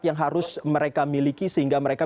yang harus mereka miliki sehingga mereka